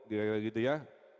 kira kira gitu ya